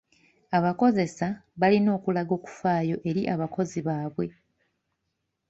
Abakozesa balina okulaga okufaayo eri abakozi baabwe.